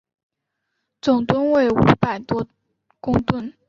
总吨位五百多公顿。